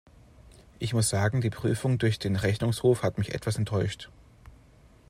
Ich muss sagen, die Prüfung durch den Rechnungshof hat mich etwas enttäuscht.